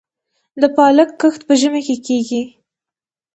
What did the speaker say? د پالک کښت په ژمي کې کیږي؟